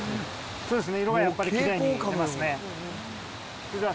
そうですね。